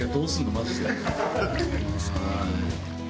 マジで。